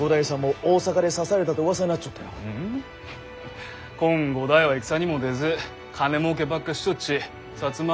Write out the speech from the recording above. フッこん五代は戦にも出ず金もうけばっかしちょっち摩